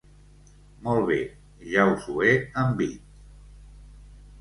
Molt bé, ja us ho he envit.